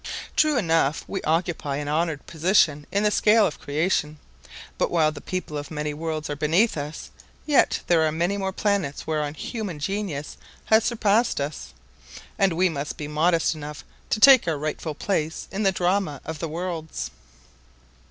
True enough, we occupy an honored position in the scale of creation, but while the people of many worlds are beneath us, yet there are many more planets whereon human genius has surpassed us, and we must be modest enough to take our rightful place in the drama of the worlds.